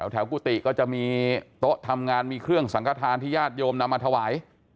กุฏิก็จะมีโต๊ะทำงานมีเครื่องสังกฐานที่ญาติโยมนำมาถวาย